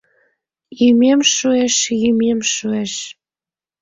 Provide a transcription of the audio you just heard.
Йӱмем шуэш, йӱмем шуэш